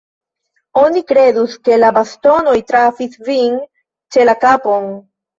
Oni kredus, ke la bastonoj trafis vin ĉe la kapon.